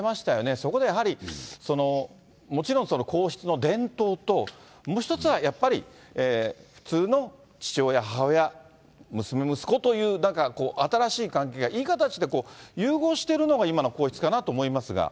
そこでやはり、もちろん皇室の伝統と、もう一つはやっぱり、普通の父親、母親、娘、息子という、なんか新しい関係が、いい形で融合してるのが今の皇室かなと思いますが。